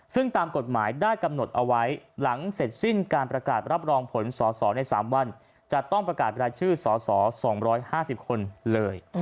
ซึ่งตามกฎหมายได้กำหนดเอาไว้หลังเสร็จสิ้นการประกาศรับรองผลสอสอใน๓วันจะต้องประกาศรายชื่อสส๒๕๐คนเลย